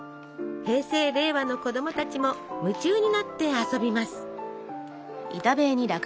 平成・令和の子供たちも夢中になって遊びます！